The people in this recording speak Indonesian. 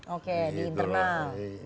oke di internal